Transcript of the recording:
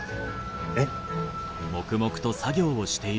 えっ。